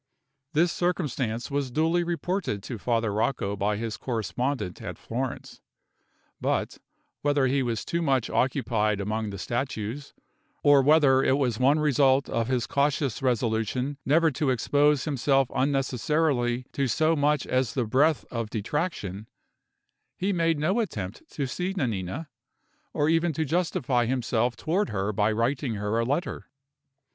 This circumstance was duly reported to Father Rocco by his correspondent at Florence; but, whether he was too much occupied among the statues, or whether it was one result of his cautious resolution never to expose himself unnecessarily to so much as the breath of detraction, he made no attempt to see Nanina, or even to justify himself toward her by writing her a letter.